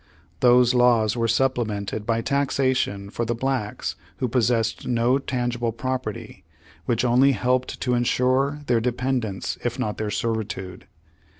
Those lavv^s were supplemented by taxation for the blacks v/ho possessed no tangible property, which only helped to insure their dependence if not their servitude.